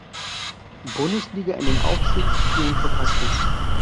Bundesliga in den Aufstiegsspielen verpasste.